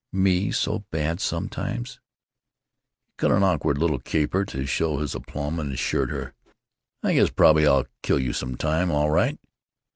Me so bad sometimes." He cut an awkward little caper to show his aplomb, and assured her, "I guess probably I'll kill you some time, all right."